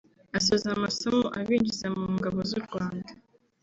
Asoza amasomo abinjiza mu ngabo z’u Rwanda